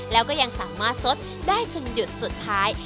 แล้วก็ยังสามารถสดได้จนหยุดสุดท้าย